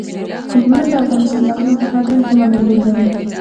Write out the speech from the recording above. غرونه د افغانستان د اقلیم په بدلون کې مهم رول لري.